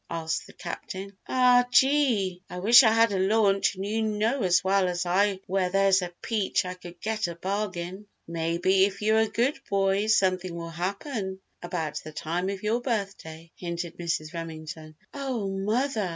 asked the Captain. "Ah gee! I wish I had a launch and you know as well as I where there's a peach I could get at a bargain!" "Maybe, if you're a good boy something will happen about the time of your birthday," hinted Mrs. Remington. "Oh, mother!